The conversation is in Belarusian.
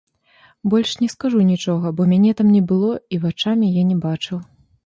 Больш не скажу нічога, бо мяне там не было і вачамі я не бачыў!